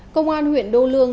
công an huyện đô lương